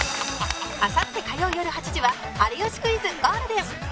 あさって火曜よる８時は『有吉クイズ』ゴールデン